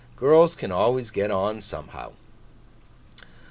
'Girls can always get on, somehow.